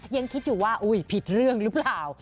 ยังคิดอยู่ว่าผิดเรื่องหรือเปล่า